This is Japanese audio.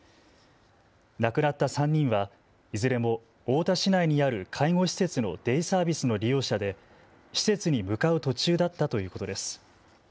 亡くなった３人はいずれも太田市内にある介護施設のデイサービスの利用者で施設に向かう途中だったということです。